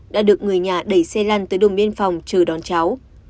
đã được người nhà đẩy xe lăn tới đồn biên phòng chờ đón cháu